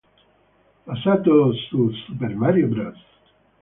Basato su "Super Mario Bros.